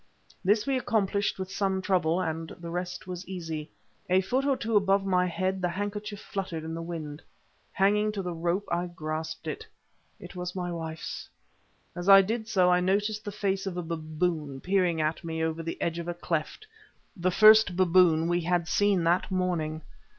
This we accomplished with some trouble, and the rest was easy. A foot or two above my head the handkerchief fluttered in the wind. Hanging to the rope, I grasped it. It was my wife's. As I did so I noticed the face of a baboon peering at me over the edge of the cleft, the first baboon we had seen that morning.